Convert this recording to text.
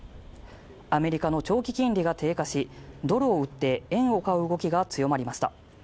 アメリカの長期金利が低下し、ドルを売って円を買う動きが強まりました。